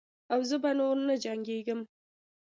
ایا زه به نور نه جنګیږم؟